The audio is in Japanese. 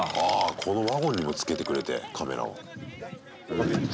このワゴンにもつけてくれてカメラを。